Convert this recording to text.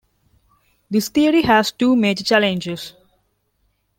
This theory has two major challenges.